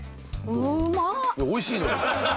おいしいのよ。